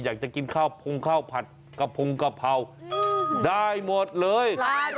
อยากจะกินข้าวพุงข้าวผัดกระพงกะเพราได้หมดเลย